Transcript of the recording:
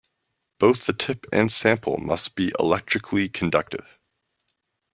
Both the tip and sample must be electrically conductive.